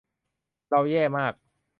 เราแย่มาก